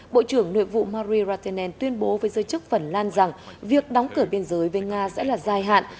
bộ trưởng nội vụ marie ratanen tuyên bố với giới chức phần lan rằng việc đóng cửa biên giới về nga sẽ là dài hạn